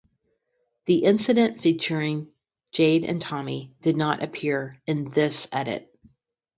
The incident featuring Jade and Tommy did not appear in this edit.